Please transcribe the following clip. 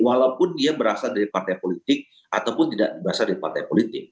walaupun dia berasal dari partai politik ataupun tidak berasal dari partai politik